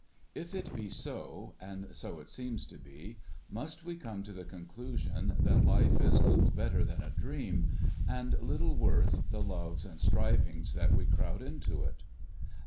If it be so, and so it seems to be, must we come to the conclusion that life is little better than a dream, and little worth the loves and strivings that we crowd into it